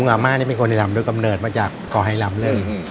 โกงอามานี่เป็นคนไหล่ลำโดยกำเนิดมาจากขอไหล่ลำเลย